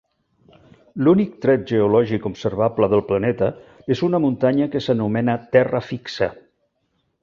L'únic tret geològic observable del planeta és una muntanya que s'anomena "Terra Fixa".